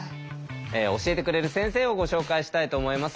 教えてくれる先生をご紹介したいと思います。